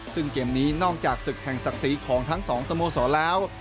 ซึ่งเกมนี้นอกจากศึกแห่งศักดิ์ศรีของทั้งสองสโมสรแล้ว